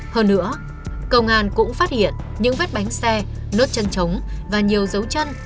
hơn nữa công an cũng phát hiện những vết bánh xe nốt chân trống và nhiều dấu chân